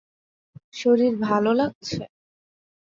শরীর ভালো লাগছে?